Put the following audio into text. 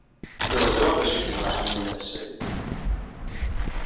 Lliɣ ẓriɣ d acu ay yebɣa Ḥemmu n At Sɛid.